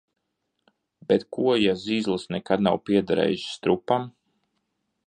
Bet ko ja zizlis nekad nav piederējis Strupam?